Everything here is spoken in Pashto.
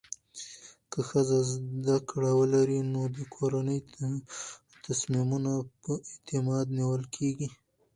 که ښځه زده کړه ولري، نو د کورنۍ تصمیمونه په اعتماد نیول کېږي.